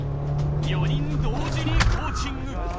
４人同時にコーチング。